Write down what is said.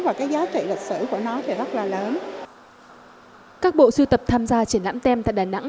và cái giá trị lịch sử của nó thì rất là lớn các bộ sưu tập tham gia triển lãm tem tại đà nẵng